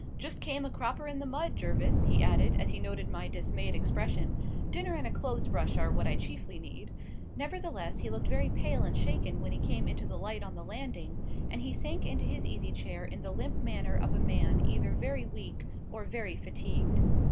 Just came a cropper in the mud, Jervis," he added, as he noted my dismayed expression. "Dinner and a clothes brush are what I chiefly need." Nevertheless, he looked very pale and shaken when he came into the light on the landing, and he sank into his easy chair in the limp manner of a man either very weak or very fatigued.